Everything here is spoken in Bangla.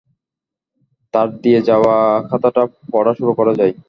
তার দিয়ে-যাওয়া খাতাটা পড়া শুরু করা জায়।